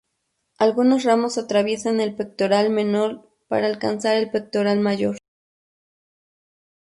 Algunos ramos atraviesan el pectoral menor para alcanzar al pectoral mayor.